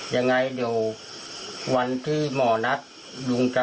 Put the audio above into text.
ยังไงเดี๋ยววันที่หมอนัดลุงจะ